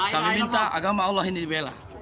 kami minta agama allah ini dibela